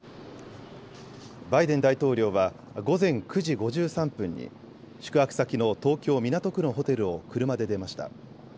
バイデン大統領は午前９時５３分に宿泊先の東京港区のホテルを車で出ました。